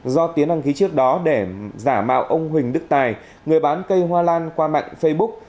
do tiến đăng ký trước đó để giả mạo ông huỳnh đức tài người bán cây hoa lan qua mạng facebook